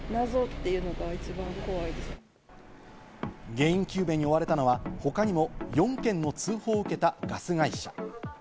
原因究明に追われたのは他にも４件の通報を受けたガス会社。